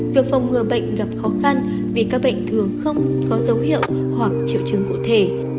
việc phòng ngừa bệnh gặp khó khăn vì các bệnh thường không có dấu hiệu hoặc triệu chứng cụ thể